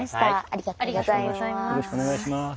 ありがとうございます。